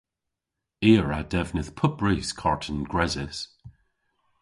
I a wra devnydh pupprys karten gresys.